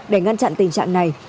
để ngăn chặn tình trạng này